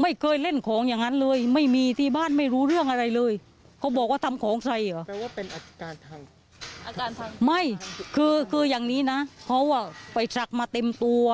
ไม่คืออย่างนี้นะเขาไปสักมาเต็มตัว